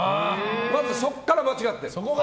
まずはそこから間違ってる。